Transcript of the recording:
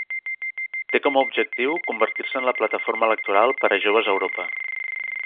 Té com a objectiu convertir-se en la plataforma electoral per a joves a Europa.